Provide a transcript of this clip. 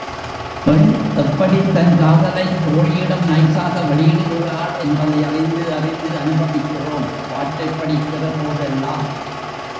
பெண் எப்படித்தன் காதலைத் தோழியிடம் நைஸாக வெளியிடுகிறாள் என்பதை அறிந்து அறிந்து அனுபவிக்கிறோம் பாட்டைப் படிக்கிறபோதெல்லாம்.